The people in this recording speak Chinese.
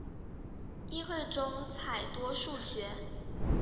议会中采多数决。